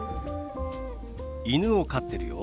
犬を飼ってるよ。